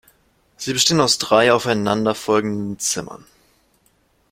Sie bestehen aus drei aufeinanderfolgenden Zimmern.